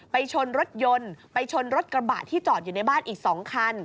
ชนรถยนต์ไปชนรถกระบะที่จอดอยู่ในบ้านอีก๒คัน